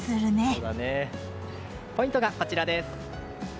ポイントがこちらです。